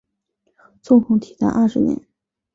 纵横体坛二十年。